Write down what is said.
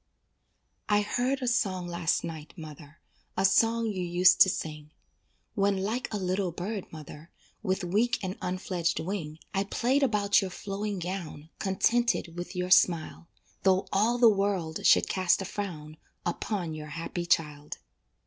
I heard a song last night, mother, A song you used to sing, When like a little bird, mother, With weak and unfledged wing, I played about your flowing gown Contented with your smile, Though all the world should cast a frown Upon your happy child.